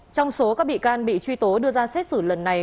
trong số các bị can bị truy tố đưa ra xét xử lần này